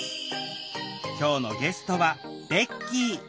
今日のゲストはベッキー。